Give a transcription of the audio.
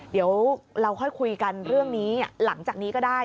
เดี๋ยวเราค่อยคุยกันเรื่องนี้หลังจากนี้ก็ได้